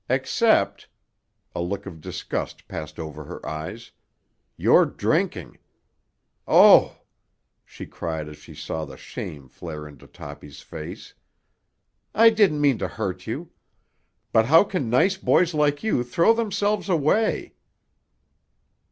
Except—" a look of disgust passed over her eyes—"your drinking. Oh," she cried as she saw the shame flare into Toppy's face, "I didn't mean to hurt you—but how can nice boys like you throw themselves away?"